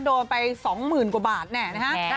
โดนไปสองหมื่นกว่าบาทแน่นะฮะ